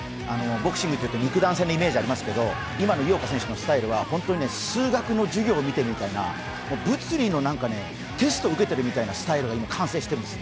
ボクシングというと肉弾戦のイメージがありますけど今の井岡選手のスタイルは本当に数学の授業を見ているみたいな、物理のテスト受けてるみたいなスタイルが今、完成してるんです。